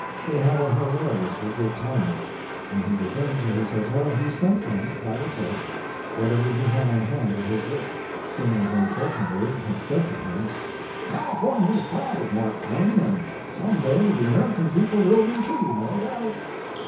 They had a hilariously good time. When he returned to his hotel he sent them, by request, whatever he had on hand of his work. General Van Valkenburg had said to him: "California is proud of Mark Twain, and some day the American people will be, too, no doubt."